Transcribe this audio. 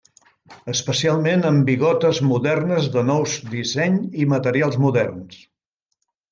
Especialment amb bigotes modernes de nous disseny i materials moderns.